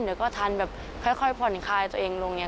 เดี๋ยวก็ทานแบบค่อยผ่อนคลายตัวเองลงอย่างนี้